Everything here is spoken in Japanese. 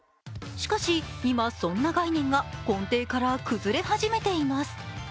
しかしそんな概念が今根底から崩れ始めています。